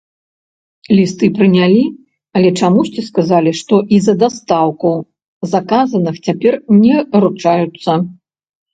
Лісты прынялі, але чамусьці сказалі, што і за дастаўку заказных цяпер не ручаюцца.